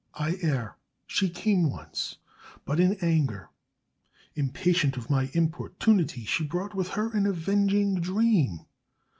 "I err. She came once, but in anger. Impatient of my importunity she brought with her an avenging dream.